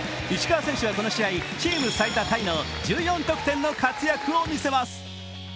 石川選手はこの試合チーム最多タイの１４得点の活躍を見せます。